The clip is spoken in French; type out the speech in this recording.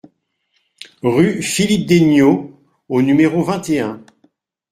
Rue Philippe d'Aigneaux au numéro vingt et un